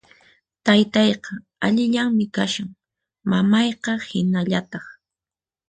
Taytaqa allillanmi kashan, mamayqa hinallataq